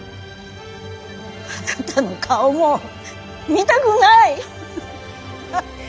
あなたの顔も見たくない。